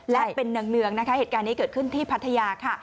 และเป็นเนืองนะคะเหตุการณ์นี้เกิดขึ้นที่พัทยาค่ะ